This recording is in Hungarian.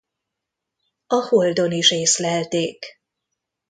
A Holdon is észlelték.